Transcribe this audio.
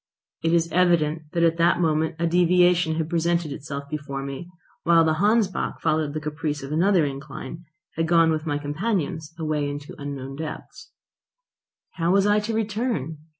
It is evident that at that moment a deviation had presented itself before me, whilst the Hansbach, following the caprice of another incline, had gone with my companions away into unknown depths. How was I to return?